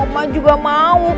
maksud kamu anak andin